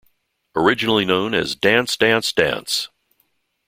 Originally known as Dance, Dance, Dance!